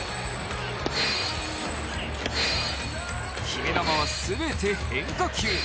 決め球は全て変化球。